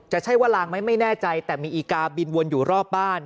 ใช่ว่าลางไหมไม่แน่ใจแต่มีอีกาบินวนอยู่รอบบ้าน